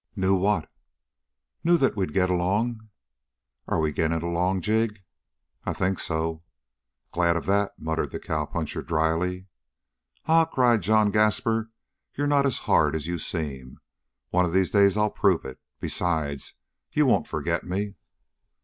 "Knew what?" "Knew that we'd get along." "And are we getting along, Jig?" "I think so." "Glad of that," muttered the cowpuncher dryly. "Ah," cried John Gaspar, "you're not as hard as you seem. One of these days I'll prove it. Besides, you won't forget me."